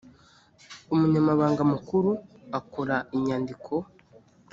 umunyamabanga mukuru akora inyandiko